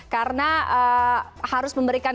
karena harus memberikan